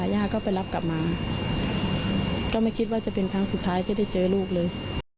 ย่าก็ไปรับกลับมาก็ไม่คิดว่าจะเป็นครั้งสุดท้ายที่ได้เจอลูกเลย